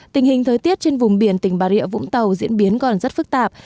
tình hình thời tiết trên vùng biển tỉnh bà rịa vũng tàu diễn biến còn rất phức tạp